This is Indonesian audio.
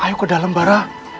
ayo ke dalam barah